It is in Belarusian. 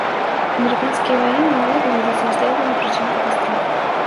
Амерыканскія ваенныя ўлады вядуць расследаванне прычын катастрофы.